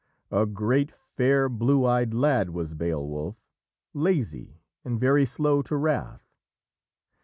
A great, fair, blue eyed lad was Beowulf, lazy, and very slow to wrath.